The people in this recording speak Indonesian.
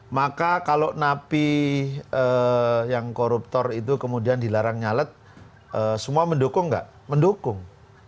maka kalau napi yang koruptor itu kemudian dilarang nyalet semua mendukung nggak mendukung